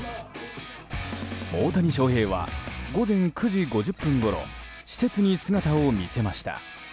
大谷翔平は午前９時５０分ごろ施設に姿を見せました。